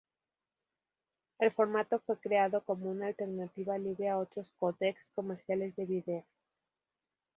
El formato fue creado como una alternativa libre a otros códecs comerciales de vídeo.